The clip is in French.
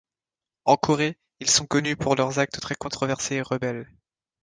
En Corée, ils sont connus pour leurs actes très controversés et rebelles.